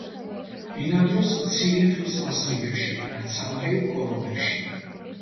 ბინადრობს მცირე ტყის მასივებში და ცალკეულ კორომებში.